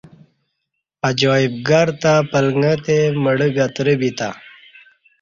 عجائب گھرتہ پلݣہ تے مڑہ گترہ بیتں